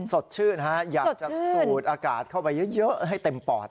สดชื่นนะฮะอยากจะสูดอากาศเข้าไปเยอะให้เต็มปอด